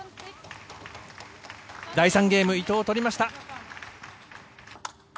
第３ゲーム、伊藤取りました。